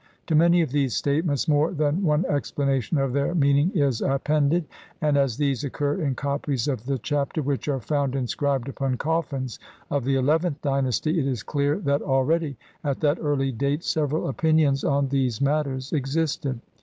To many of these statements more than one explanation of their meaning is appended, and as these occur in copies of the Chapter which are found inscribed upon coffins of the eleventh dynasty, it is clear that already at that early date several opinions on these matters existed.